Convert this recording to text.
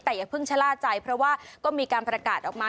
แต่อย่าเพิ่งชะล่าใจเพราะว่าก็มีการประกาศออกมา